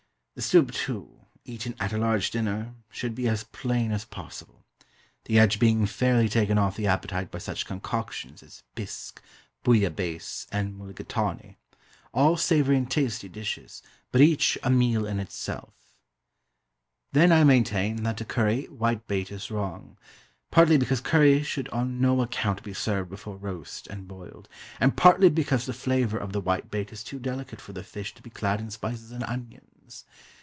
The soup, too, eaten at a large dinner should be as plain as possible; the edge being fairly taken off the appetite by such concoctions as bisque, bouillabaisse, and mulligatawny all savoury and tasty dishes, but each a meal in itself. Then I maintain that to curry whitebait is wrong; partly because curry should on no account be served before roast and boiled, and partly because the flavour of the whitebait is too delicate for the fish to be clad in spices and onions.